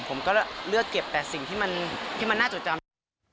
ผมก็เลือกเก็บแต่สิ่งที่มันน่าจดจำ